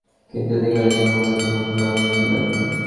কিন্তু এদিকে রাজগণের মধ্যে তুমুল কোলাহল হইতে লাগিল।